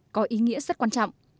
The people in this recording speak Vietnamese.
có ý nghĩa rất quan trọng